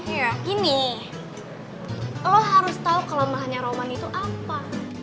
ya gini lo harus tau kelemahannya roman itu apa